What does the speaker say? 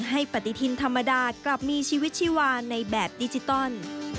ให้ปฏิทินธรรมดากลับมีชีวิตชีวาในแบบดิจิตอล